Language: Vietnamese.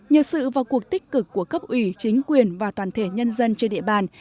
nhờ sự vào cuộc tích cực của cấp ủy chính quyền và toàn thể nhân dân trên địa bàn